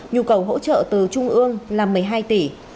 nhu cầu hỗ trợ từ trung ương là một mươi hai tỷ